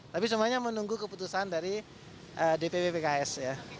tapi semuanya menunggu keputusan dari dpp pks